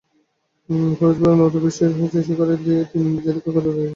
ফরিদপুরে নদে বিষ দিয়ে মাছ শিকারের দায়ে তিন জেলেকে কারাদণ্ড দিয়েছেন ভ্রাম্যমাণ আদালত।